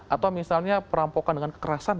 atau misalnya perampokan dengan kekerasan